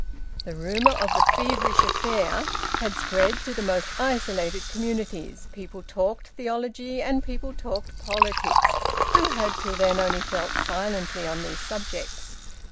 The rumour of the feverish affair had spread to the most isolated communities. People talked theology, and people talked politics, who had till then only felt silently on these subjects.